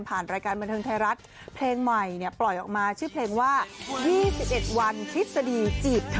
รายการบันเทิงไทยรัฐเพลงใหม่เนี่ยปล่อยออกมาชื่อเพลงว่า๒๑วันทฤษฎีจีบเธอ